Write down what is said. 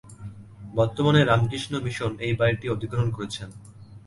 বর্তমানে রামকৃষ্ণ মিশন এই বাড়িটি অধিগ্রহণ করেছেন।